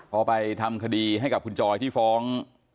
พอไปทำคดีให้กับคุณจอยที่ฟ้อง